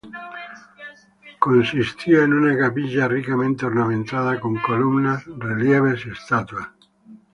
Consistía en una capilla ricamente ornamentada con columnas, relieves y estatuas.